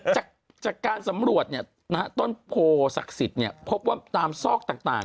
จากจากการสำรวจเนี่ยนะฮะต้นโพธิสักสิทธิ์เนี่ยพบว่าตามซอกต่างต่าง